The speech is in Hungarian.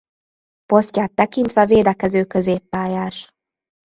Posztját tekintve védekező középpályás.